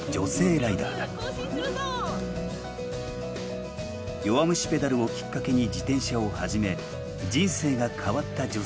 「弱虫ペダル」をきっかけに自転車を始め人生が変わった女性たちがいる。